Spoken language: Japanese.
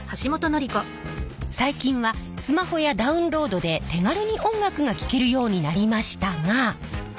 最近はスマホやダウンロードで手軽に音楽が聴けるようになりましたが。